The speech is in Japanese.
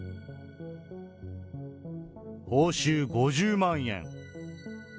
報酬５０万円。